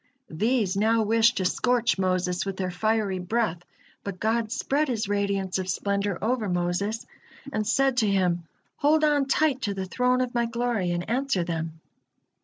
These now wished to scorch Moses with their fiery breath, but God spread His radiance of splendor over Moses, and said to him: "Hold on tight to the Throne of My Glory, and answer them."